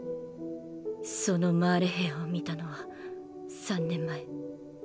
そのマーレ兵を見たのは３年前。